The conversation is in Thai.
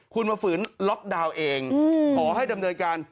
คุณมาฝืนล็อกดาวน์เองขอให้ดำเนินการ